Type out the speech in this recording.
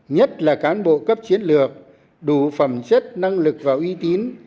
nhất là cán bộ cấp chiến lược đủ phẩm chất năng lực và uy tín